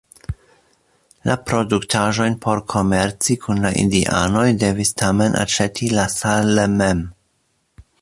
La produktaĵojn por komerci kun la Indianoj devis tamen aĉeti La Salle mem.